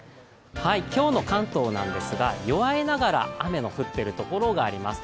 今日の関東なんですが、弱いながら雨の降ってる所があります。